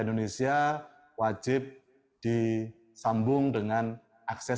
indonesia wajib disambung dengan akses